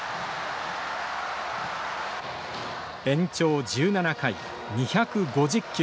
延長１７回、２５０球。